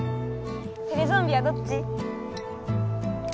テレゾンビはどっち？